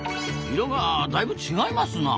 色がだいぶ違いますな。